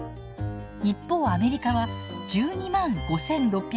一方アメリカは１２５，６６４円。